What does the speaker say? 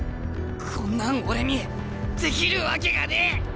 こんなん俺にできるわけがねえ！